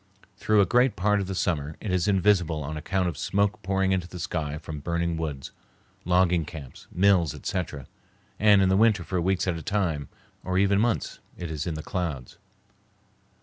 Through a great part of the summer it is invisible on account of smoke poured into the sky from burning woods, logging camps, mills, etc., and in winter for weeks at a time, or even months, it is in the clouds.